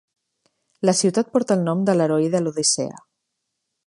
La ciutat porta el nom de l'heroi de l'"Odissea".